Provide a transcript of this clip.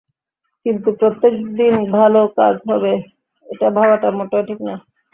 কিন্তু প্রত্যেক দিন ভালো কাজ হবে, এটা ভাবাটা মোটেও ঠিক না।